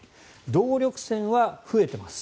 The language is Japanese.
動力泉は増えています。